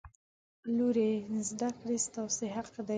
لورې! زده کړې ستاسې حق دی.